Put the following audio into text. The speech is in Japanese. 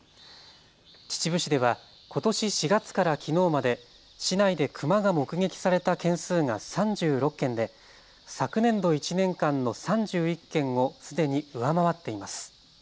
秩父市ではことし４月からきのうまで市内でクマが目撃された件数が３６件で昨年度１年間の３１件をすでに上回っています。